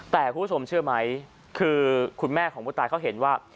แต่คุณผู้ชมเชื่อไหมคือคุณแม่ของผู้ตายเขาเห็นว่า